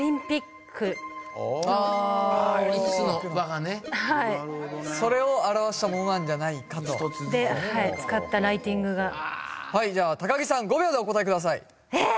あー五つの輪がねはいそれを表したものなんじゃないかとではい使ったライティングがはいじゃあ高城さん５秒でお答えくださいえっ！